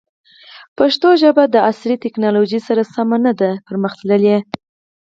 پښتو ژبه د عصري تکنالوژۍ سره سمه نه ده پرمختللې.